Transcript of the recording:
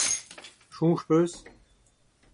Soñj ' peus ?